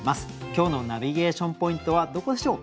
今日の「ナビゲーション・ポイント」はどこでしょう？